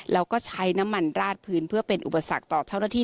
แล้วก็ใช้น้ำมันราดพื้นเพื่อเป็นอุปสรรคต่อเจ้าหน้าที่